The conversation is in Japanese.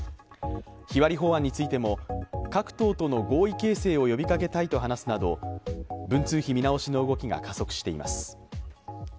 日割り法案についても各党との合意形成を呼びかけたいと話すなど文通費見直しの動きが加速しています。